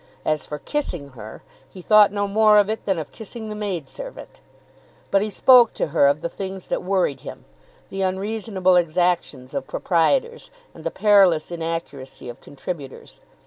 As for kissing her, he thought no more of it than of kissing the maid servant. But he spoke to her of the things that worried him, the unreasonable exactions of proprietors, and the perilous inaccuracy of contributors.